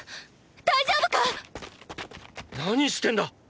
大丈夫か⁉何してんだ！！